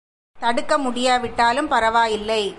தடுக்க முடியா விட்டாலும் பரவாயில்லை.